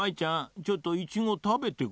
ちょっとイチゴたべてごらん。